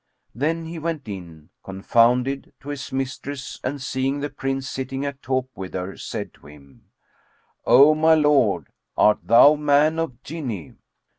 Then he went in, confounded, to his mistress and seeing the Prince sitting at talk with her, said to him, "O my lord, art thou man or Jinni?"